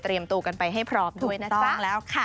เตรียมตัวกันไปให้พร้อมด้วยนะจ๊ะถูกต้องแล้วค่ะ